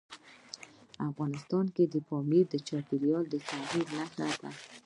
افغانستان کې پامیر د چاپېریال د تغیر نښه ده.